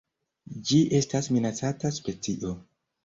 Ĝi estas minacata specio.